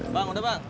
bang udah bang